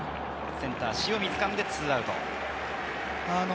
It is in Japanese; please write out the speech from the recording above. センター・塩見がつかんで２アウト。